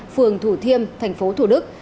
phường thủ thiêm thành phố thủ đức